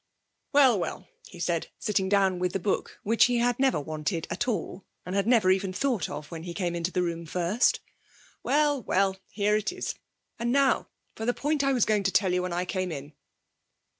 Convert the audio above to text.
'Well, well,' he said, sitting down with the book, which he had never wanted at all, and had never even thought of when he came to the room first, 'well, well, here it is! And now for the point I was going to tell you when I came in.'